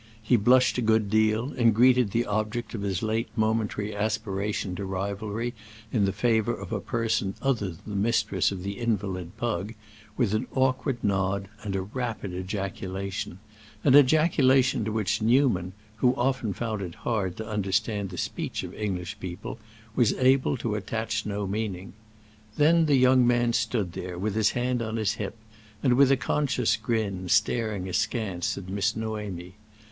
He blushed a good deal, and greeted the object of his late momentary aspiration to rivalry in the favor of a person other than the mistress of the invalid pug with an awkward nod and a rapid ejaculation—an ejaculation to which Newman, who often found it hard to understand the speech of English people, was able to attach no meaning. Then the young man stood there, with his hand on his hip, and with a conscious grin, staring askance at Miss Noémie.